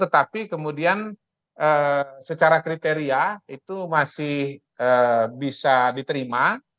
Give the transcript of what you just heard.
tetapi kemudian secara kriteria itu masih bisa diterima